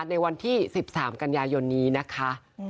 ในวันที่๑๓กันยายนนี้นะคะ